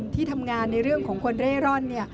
ที่ทำงานในเรื่องของคนเร่ร่อน